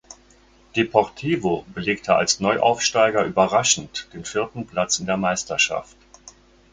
Deportivo belegte als Neuaufsteiger überraschend den vierten Platz in der Meisterschaft.